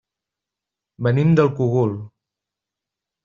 Venim del Cogul.